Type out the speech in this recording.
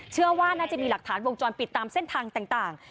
เชื่อว่าน่าจะมีหลักฐานวงจรปิดตามเส้นทางต่าง